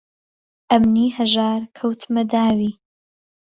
ئهمنی ههژار کهوتمه داوی